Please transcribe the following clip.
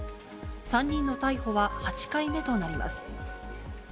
３人の逮捕は８回目となります。